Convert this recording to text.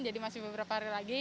masih beberapa hari lagi